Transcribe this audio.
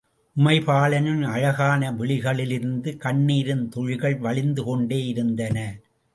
உமைபாலனின் அழகான விழிகளிலிருந்து கண்ணீரின் துளிகள் வழிந்துகொண்டே இருந்தன.